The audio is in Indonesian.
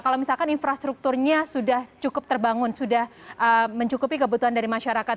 kalau misalkan infrastrukturnya sudah cukup terbangun sudah mencukupi kebutuhan dari masyarakat